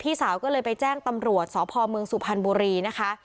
สาวก็เลยไปแจ้งตำรวจสพเมืองสุพรรณบุรีนะคะ